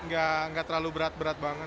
nggak terlalu berat berat banget